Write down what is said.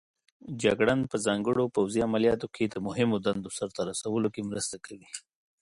جګړن په ځانګړو پوځي عملیاتو کې د مهمو دندو سرته رسولو کې مرسته کوي.